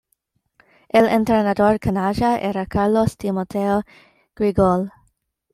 El entrenador "canalla" era Carlos Timoteo Griguol.